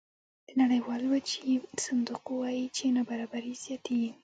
د نړیوال وجهي صندوق وایي چې نابرابري زیاتېږي